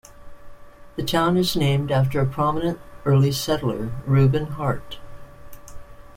The town is named after a prominent early settler, Reuben Hart.